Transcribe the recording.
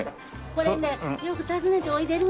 これねよく訪ねておいでるんです。